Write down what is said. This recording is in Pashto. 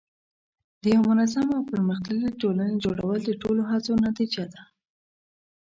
د یوه منظم او پرمختللي ټولنې جوړول د ټولو هڅو نتیجه ده.